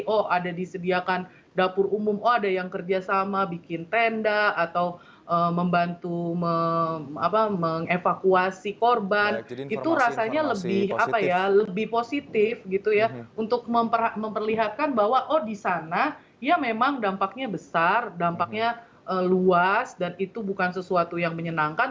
oh ada disediakan dapur umum oh ada yang kerjasama bikin tenda atau membantu mengevakuasi korban itu rasanya lebih positif untuk memperlihatkan bahwa oh di sana ya memang dampaknya besar dampaknya luas dan itu bukan sesuatu yang menyenangkan